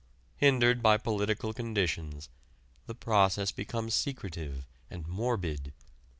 Hindered by political conditions, the process becomes secretive and morbid.